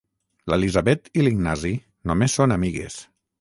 L'Elisabet i l'Ignasi només són amigues.